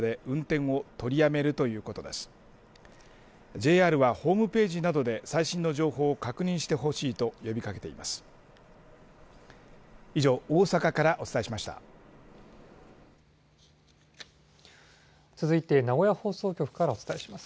ＪＲはホームページなどで最新の情報を確認してほしいと呼びかけています。